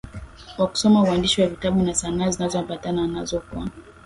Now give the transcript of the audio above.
wa kusoma uandishi wa vitabu na sanaa zinazoambatana nazo kwa